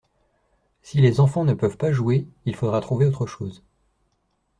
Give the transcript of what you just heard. Si les enfants ne peuvent pas jouer il faudra trouver autre chose.